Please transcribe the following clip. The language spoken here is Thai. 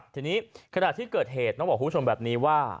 ทีนี้ขณะที่เกิดเหตุต้องบอกคุณผู้ชมแบบนี้ว่า